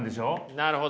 なるほど。